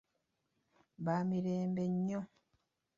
Baamirembe nnyo.